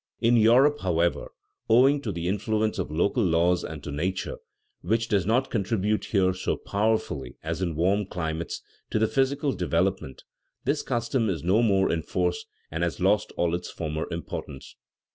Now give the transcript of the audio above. In Europe, however, owing to the influence of local laws and to nature, which does not contribute here so powerfully as in warm climates to the physical development, this custom is no more in force and has lost all its former importance.